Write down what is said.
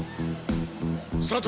佐藤